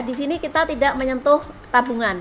di sini kita tidak menyentuh tabungan